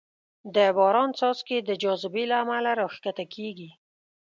د باران څاڅکې د جاذبې له امله راښکته کېږي.